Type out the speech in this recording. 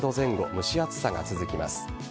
蒸し暑さが続きます。